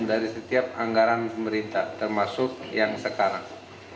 dari setiap anggaran pemerintah termasuk yang sekarang